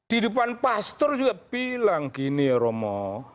di depan pastor juga bilang gini romo